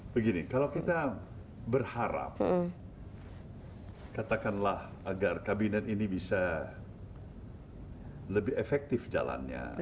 begini kalau kita berharap katakanlah agar kabinet ini bisa lebih efektif jalannya